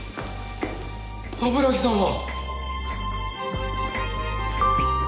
冠城さんは？